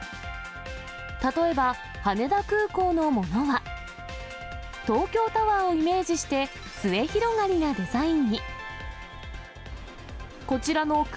例えば羽田空港のものは、東京タワーをイメージして、末広がりなデザインに。